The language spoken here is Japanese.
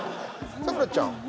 咲楽ちゃん。